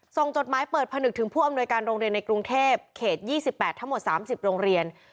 จดหมายเปิดผนึกถึงผู้อำนวยการโรงเรียนในกรุงเทพเขต๒๘ทั้งหมด๓๐โรงเรียน